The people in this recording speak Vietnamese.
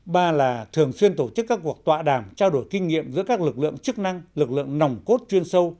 ba là thường xuyên tổ chức các cuộc tọa đàm trao đổi kinh nghiệm giữa các lực lượng chức năng lực lượng nòng cốt chuyên sâu